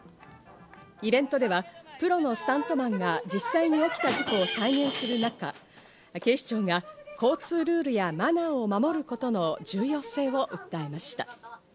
イベントでは、プロのスタントマンが実際に起きた事故を再現する中、警視庁が交通ルールやマナーを守ることの重要性を訴えました。